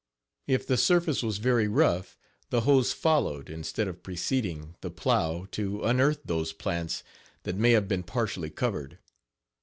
If the surface was very rough the hoes followed, instead of preceding, the plow to unearth those plants that may have been partially covered.